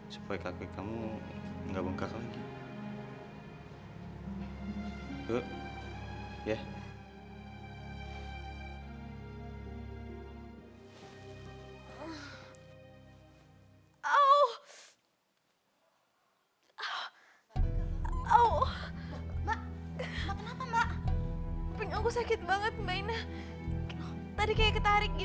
supaya kaki kamu gak bengkak lagi